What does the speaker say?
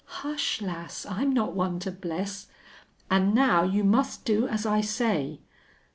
"Hush, lass! I'm not one to bless.... An' now you must do as I say.